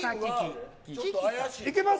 いけます？